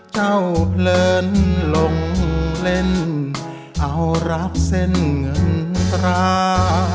เพลินลงเล่นเอารักเส้นเงินตรา